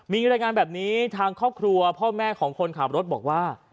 มีรายงานแบบนี้ทางครอบครัวพ่อแม่ของคนขับรถบอกว่า